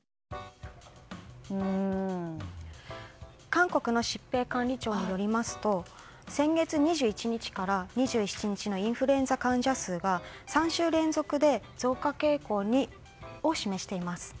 韓国の疾病管理庁によりますと先月２１日から２７日のインフルエンザ患者数が３週連続で増加傾向を示しています。